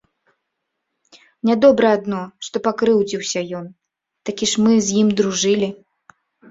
Нядобра адно, што пакрыўдзіўся ён, такі ж мы з ім дружылі.